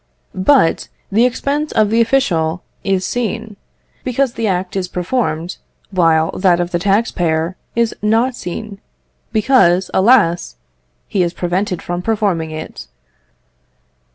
But the expense of the official is seen, because the act is performed, while that of the tax payer is not seen, because, alas! he is prevented from performing it.